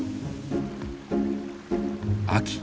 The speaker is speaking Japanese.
秋。